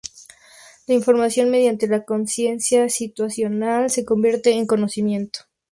La información mediante la "consciencia situacional" se convierte en conocimiento.